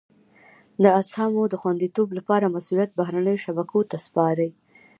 د اسهامو د خوندیتوب لپاره مسولیت بهرنیو شبکو ته سپاري.